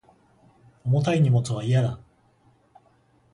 重たい荷物は嫌だ